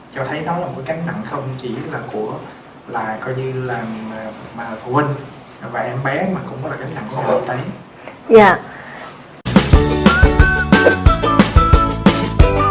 cho thấy đó là một cái cánh nắng không chỉ là của